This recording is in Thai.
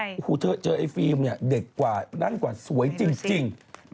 โอ้โหเธอเจอไอ้ฟิล์มเนี่ยเด็กกว่านั่งกว่าสวยจริง